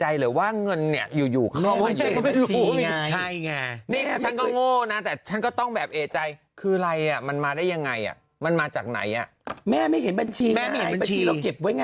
อ่ะคือลูกสาวเอาชื่อไปเปิดเป็นชี้ไม่อยากให้ชื่อเอาแม่เป็นลมอยู่